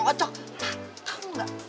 ma tau ga